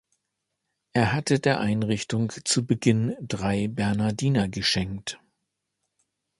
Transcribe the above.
Er hatte der Einrichtung zu Beginn drei Bernhardiner geschenkt.